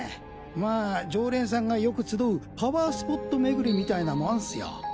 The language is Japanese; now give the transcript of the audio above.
まあ常連さんがよく集うパワースポット巡りみたいなもんっスよ！